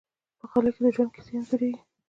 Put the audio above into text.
په غالۍ کې د ژوند کیسې انځورېږي.